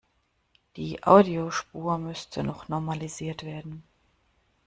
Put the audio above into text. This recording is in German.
Die Audiospur müsste noch normalisiert werden.